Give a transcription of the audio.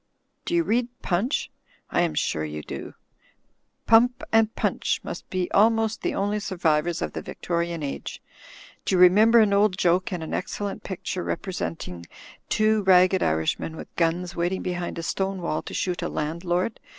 Do you read Punch? I am sure you do. Pump and Punch must be almost the only survivors of the Victorian Age. Do you remember an old joke in an excellent picture, representing two ragged Irishmen with guns, waiting behind a stone wall to shoot a landlord?